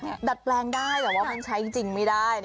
ดัดแปลงได้แต่ว่ามันใช้จริงไม่ได้